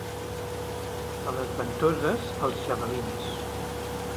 A les Ventoses, els «javalins».